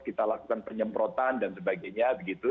kita lakukan penyemprotan dan sebagainya begitu